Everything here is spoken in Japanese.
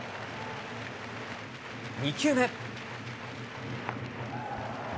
２球目。